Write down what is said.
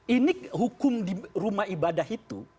ini hukum di rumah ibadah itu